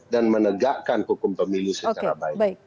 dan menegakkan hukum pemilu secara baik